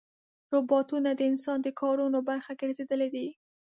روباټونه د انسان د کارونو برخه ګرځېدلي دي.